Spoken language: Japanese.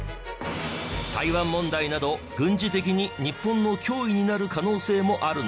台湾問題など軍事的に日本の脅威になる可能性もあるんです。